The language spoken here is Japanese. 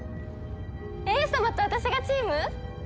英寿様と私がチーム！？